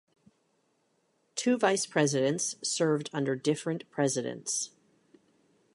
Two vice presidents served under different presidents.